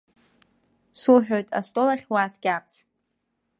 Суҳәоит астол ахь уааскьарц.